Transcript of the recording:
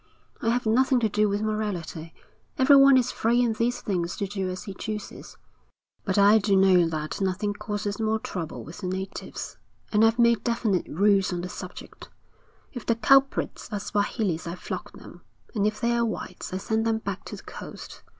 I have nothing to do with morality everyone is free in these things to do as he chooses but I do know that nothing causes more trouble with the natives, and I've made definite rules on the subject. If the culprits are Swahilis I flog them, and if they're whites I send them back to the coast.